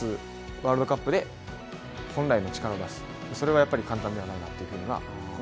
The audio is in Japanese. ワールドカップで本来の力を出す、それはやっぱり簡単ではないなと。